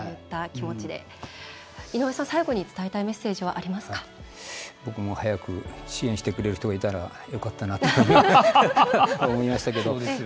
井上さん最後に伝えたい僕も早く支援してくれる人がよかったなと思いましたけど。